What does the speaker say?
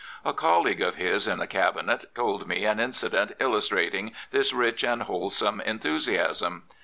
A colleague of his in the Cabinet told me an incident illustrating this rich and wholesome enthusiasm.